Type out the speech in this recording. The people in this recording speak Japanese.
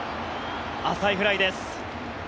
浅いフライです。